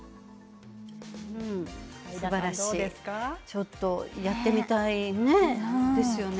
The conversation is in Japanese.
ちょっとやってみたいですよね。